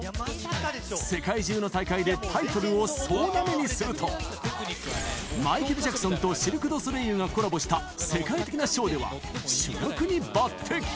世界中の大会でタイトルを総なめにすると、マイケル・ジャクソンとシルクドソレイユがコラボした世界的なショーでは、主役に抜てき。